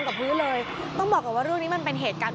กับพื้นเลยต้องบอกก่อนว่าเรื่องนี้มันเป็นเหตุการณ์